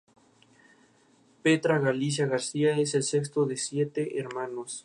Petra Galicia García, es el sexto de siete hermanos.